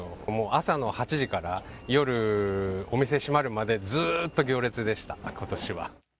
朝の８時から夜、お店閉まるまでずっと行列でした、ことしは。